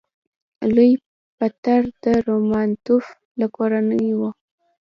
لوی پطر د رومانوف له کورنۍ و.